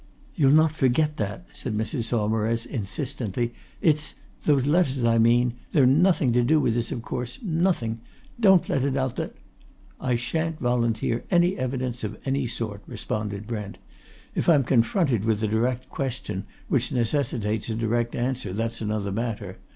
"You'll not forget that?" said Mrs. Saumarez insistently. "It's those letters, I mean they're nothing to do with this, of course nothing! Don't let it out that " "I shan't volunteer any evidence of any sort," responded Brent. "If I'm confronted with a direct question which necessitates a direct answer, that's another matter.